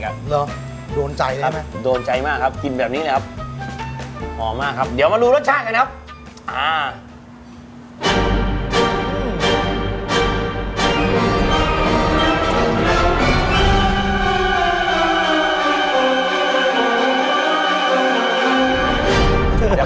เยอะโดนใจโดนใจมากครับคืนแบบนี้นะครับหอมมากครับเดี๋ยวมาดูรสชาตินะครับ